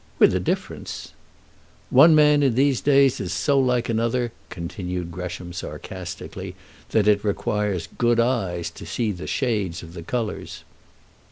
"With a difference." "One man in these days is so like another," continued Gresham sarcastically, "that it requires good eyes to see the shades of the colours."